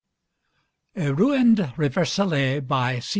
A RUINED REVERSOLET by C.